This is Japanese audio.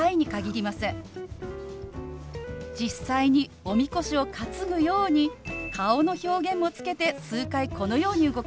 実際におみこしを担ぐように顔の表現もつけて数回このように動かします。